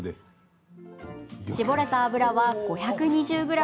搾れた油は５２０ｇ。